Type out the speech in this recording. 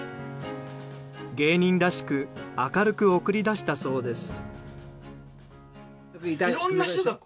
芸人らしく明るく送り出したそうです。